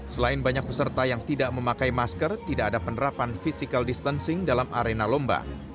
selain banyak peserta yang tidak memakai masker tidak ada penerapan physical distancing dalam arena lomba